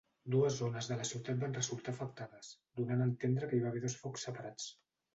Dues zones de la ciutat van resultar afectades, donant a entendre que hi va haver dos focs separats.